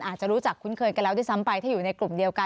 อาจจะรู้จักคุ้นเคยกันแล้วด้วยซ้ำไปถ้าอยู่ในกลุ่มเดียวกัน